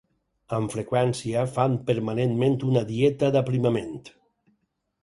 Amb freqüència fan permanentment una dieta d'aprimament.